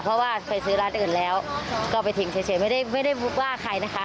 เพราะว่าไปซื้อร้านอื่นแล้วก็ไปทิ้งเฉยไม่ได้ไม่ได้ว่าใครนะคะ